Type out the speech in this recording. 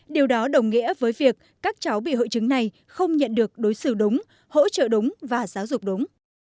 điều đó đồng nghĩa với việc các cháu bị hội chứng này không nhận được đối xử đúng hỗ trợ đúng và giáo dục đúng